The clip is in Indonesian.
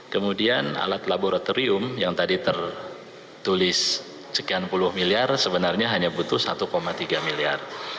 kemudian alat laboratorium yang tadi tertulis sekian puluh miliar sebenarnya hanya butuh satu tiga miliar